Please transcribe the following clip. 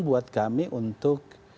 buat kami untuk